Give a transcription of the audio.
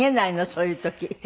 そういう時。